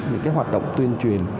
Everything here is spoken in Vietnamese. những cái hoạt động tuyên truyền